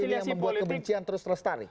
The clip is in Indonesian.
yang membuat kebencian terus terstari